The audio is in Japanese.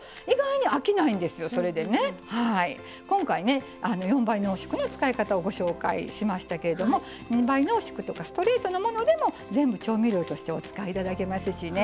今回ね４倍濃縮の使い方をご紹介しましたけれども２倍濃縮とかストレートのものでも全部調味料としてお使い頂けますしね。